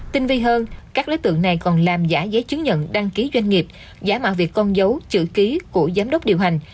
tinh vi hơn các đối tượng này còn làm giả giấy chứng nhận đăng ký doanh nghiệp giả mạo việc con dấu chữ ký của giám đốc điều hành